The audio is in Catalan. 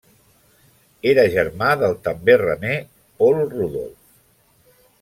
Era germà del també remer Paul Rudolf.